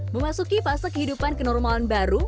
memasuki fase kehidupan kenormalan baru